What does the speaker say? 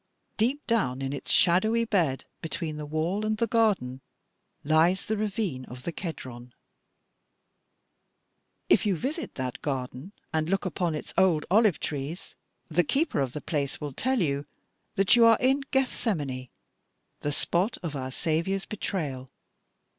Deep down in its shadowy bed, between the wall and the garden, lies the ravine of the Kedron. [Illustration: GARDEN OF GETHSEMANE.] "'If you visit that garden and look upon its old olive trees, the keeper of the place will tell you that you are in Gethsemane, the spot of our Saviour's betrayal.